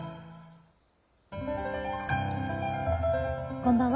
こんばんは。